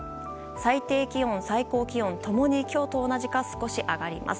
最低気温、最高気温共に今日と同じか少し上がります。